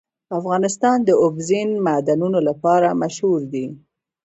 افغانستان د اوبزین معدنونه لپاره مشهور دی.